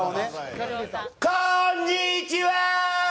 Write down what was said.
こんにちはー！